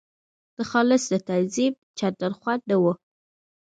د خالص د تنظیم چندان خوند نه وو.